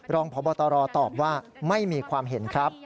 รองพบตรตอบว่าไม่มีความเห็นครับ